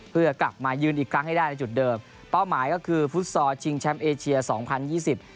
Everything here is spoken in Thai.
เพื่อกลับมายืนอีกครั้งให้ได้ในจุดเดิมเป้าหมายก็คือฟุตซอลชิงแชมป์เอเชียสองพันยี่สิบ